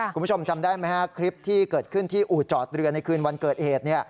คุณผู้ชมจำได้ไหมฮะคลิปที่เกิดขึ้นที่อู่จอดเรือในคืนวันเกิดเหตุ